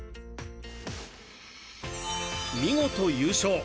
見事、優勝！